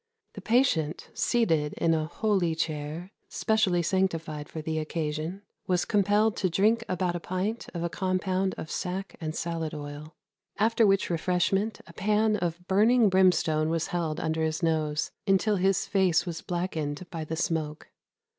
The patient, seated in a "holy chair," specially sanctified for the occasion, was compelled to drink about a pint of a compound of sack and salad oil; after which refreshment a pan of burning brimstone was held under his nose, until his face was blackened by the smoke.